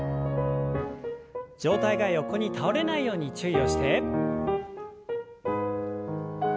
上体が横に倒れないように注意をして。